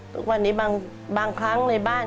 ทุกวันนี้บางครั้งในบ้าน